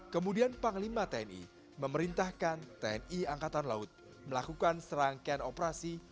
kemudian panglima tni memerintahkan tni angkatan laut melakukan serangkaian operasi